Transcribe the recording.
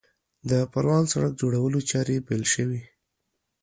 د پروان سړک جوړولو چارې پیل شوې